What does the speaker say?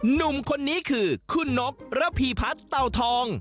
หนุ่มคนนี้คือคุณนกระพีพัฒน์เตาทอง